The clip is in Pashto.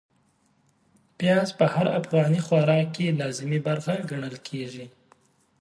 پياز په هر افغاني خوراک کې لازمي برخه ګڼل کېږي.